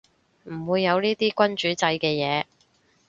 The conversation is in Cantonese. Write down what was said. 唔會有呢啲君主制嘅嘢